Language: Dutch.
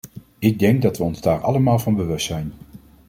Ik denk dat we ons daar allemaal van bewust zijn.